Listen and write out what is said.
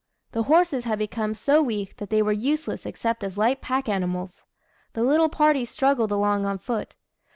The horses had become so weak that they were useless except as light pack animals. The little party struggled along on foot.